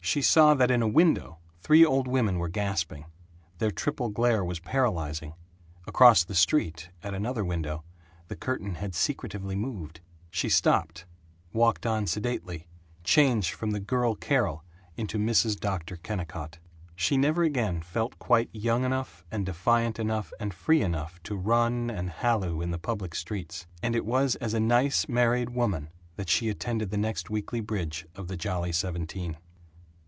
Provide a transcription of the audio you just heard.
She saw that in a window three old women were gasping. Their triple glare was paralyzing. Across the street, at another window, the curtain had secretively moved. She stopped, walked on sedately, changed from the girl Carol into Mrs. Dr. Kennicott. She never again felt quite young enough and defiant enough and free enough to run and halloo in the public streets; and it was as a Nice Married Woman that she attended the next weekly bridge of the Jolly Seventeen.